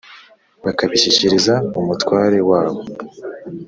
bakabishyikiriza umutware w' abo.